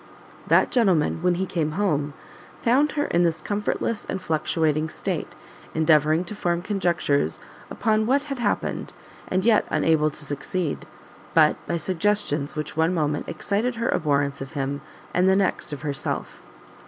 That gentleman, when he came home, found her in this comfortless and fluctuating state, endeavouring to form conjectures upon what had happened, yet unable to succeed, but by suggestions which one moment excited her abhorrence of him, and the next of herself.